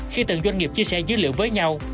khi từng doanh nghiệp chia sẻ dữ liệu với nhau